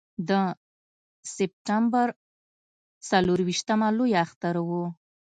د سپټمبر څلرویشتمه لوی اختر و.